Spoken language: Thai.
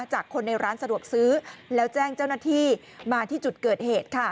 จากคนในร้านสะดวกซื้อแล้วแจ้งเจ้าหน้าที่มาที่จุดเกิดเหตุค่ะ